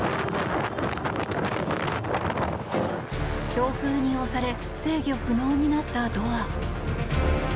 強風に押され制御不能になったドア。